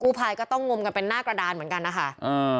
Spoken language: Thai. ภายก็ต้องงมกันเป็นหน้ากระดานเหมือนกันนะคะอ่า